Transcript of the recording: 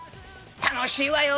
楽しいわよ。